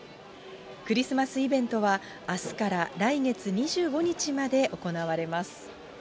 クリスマスイベントはあすから来月２５日まで行われます。